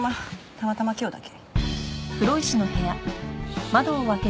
たまたま今日だけ。